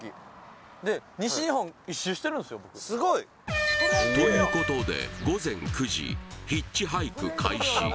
スゴいということで午前９時ヒッチハイク開始